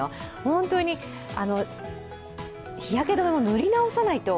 本当に日焼け止めも塗り直さないと。